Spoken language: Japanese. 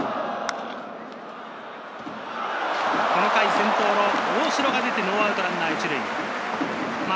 この回、先頭の大城が出てノーアウトランナー１塁。